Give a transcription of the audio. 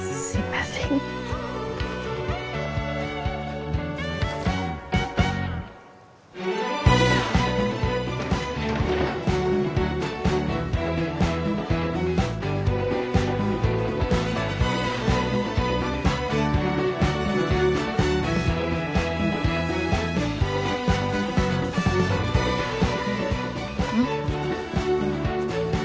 すいませんうん？